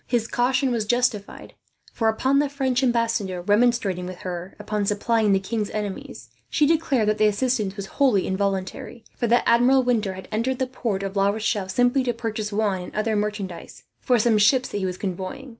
His caution was justified for, upon the French ambassador remonstrating with her upon supplying the king's enemies, she declared that the assistance was wholly involuntary; for that Admiral Winter had entered the port of La Rochelle simply to purchase wine, and other merchandise, for some ships that he was convoying.